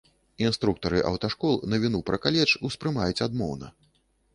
Інструктары аўташкол навіну пра каледж успрымаюць адмоўна.